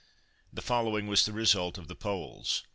The following was the result of the polls.